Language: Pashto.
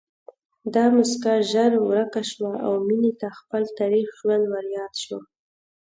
دا مسکا ژر ورکه شوه او مينې ته خپل تريخ ژوند ورياد شو